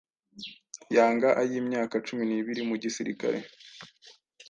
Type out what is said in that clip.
yanga ay’imyaka cumi nibiri mu gisirikare.